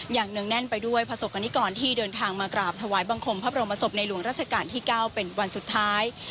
เนื่องแน่นไปด้วยประสบกรณิกรที่เดินทางมากราบถวายบังคมพระบรมศพในหลวงราชการที่๙เป็นวันสุดท้าย